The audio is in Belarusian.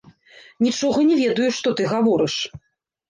Нічога не ведаю, што ты гаворыш.